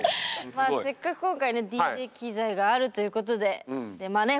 まあせっかく今回ねＤＪ機材があるということでまあね